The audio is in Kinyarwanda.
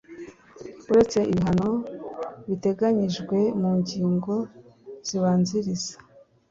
Uretse ibihano biteganyijwe mu ngingo zibanziriza